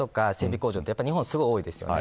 工場って日本はすごい多いですよね。